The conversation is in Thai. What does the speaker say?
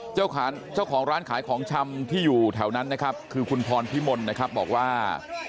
เจ้าของร้านขายของชำที่อยู่แถวนั้นนะครับคือคุณพรพิมลนะครับบอกว่า